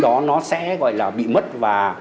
đó nó sẽ gọi là bị mất và